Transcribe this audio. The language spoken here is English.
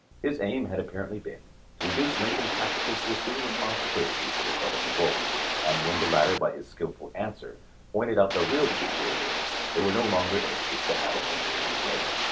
His aim had appar ently been to induce Lincoln tacitly to assume responsibility for the Southern revolt; and when the latter by his skillful answer pointed out the real conspirators, they were no longer anxious to have a publication made.